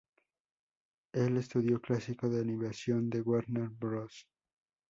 El estudio clásico de animación de Warner Bros.